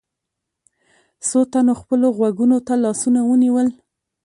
څو تنو خپلو غوږونو ته لاسونه ونيول.